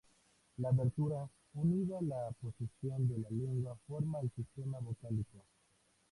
La abertura, unida a la posición de la lengua forma el sistema vocálico.